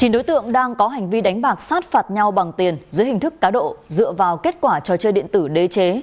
chín đối tượng đang có hành vi đánh bạc sát phạt nhau bằng tiền dưới hình thức cá độ dựa vào kết quả trò chơi điện tử đế chế